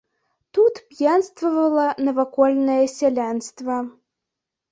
Тут п'янствавала навакольнае сялянства.